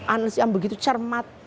analisis yang begitu cermat